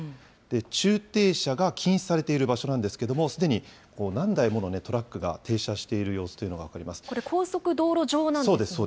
駐停車が禁止されている場所なんですけれども、すでに何台ものトラックが停車している様子というこれ、高速道路上なんですよ